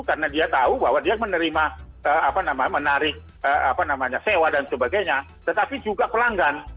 karena dia tahu bahwa dia menerima menarik sewa dan sebagainya tetapi juga pelanggan